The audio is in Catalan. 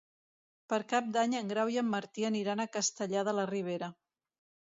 Per Cap d'Any en Grau i en Martí aniran a Castellar de la Ribera.